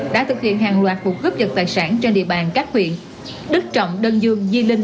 đã thực hiện hàng loạt vụ cướp dật tài sản trên địa bàn các huyện đức trọng đơn dương di linh